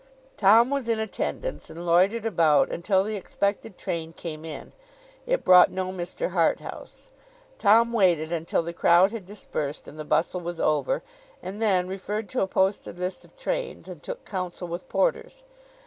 Tom was in attendance, and loitered about until the expected train came in. It brought no Mr. Harthouse. Tom waited until the crowd had dispersed, and the bustle was over; and then referred to a posted list of trains, and took counsel with porters.